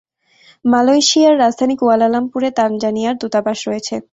মালয়েশিয়ার রাজধানী কুয়ালালামপুর এ তানজানিয়ার দূতাবাস রয়েছে।